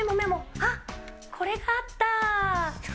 あっ、これがあったー！